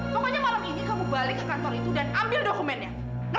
pokoknya malam ini kamu balik ke kantor itu dan ambil dokumennya